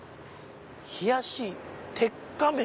「冷し鉄火麺」。